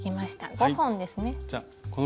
５本ですね。